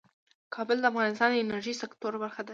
کابل د افغانستان د انرژۍ سکتور برخه ده.